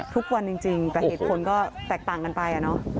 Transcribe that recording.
ทุกวันจริงแต่เหตุผลก็แตกต่างกันไป